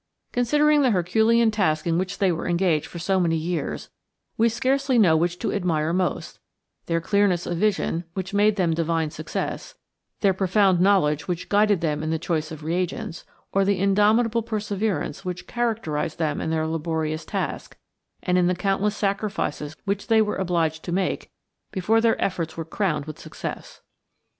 Considering the herculean task in which they were engaged for so many years, we scarcely know which to admire most, their clearness of vision, which made them divine success; their profound knowledge, which guided them in the choice of reagents; or the indomitable perseverance which characterized them in their laborious task and in the countless sacrifices which they were obliged to make before their efforts were crowned with success.